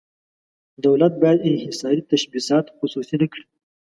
دولت باید انحصاري تشبثات خصوصي نه کړي.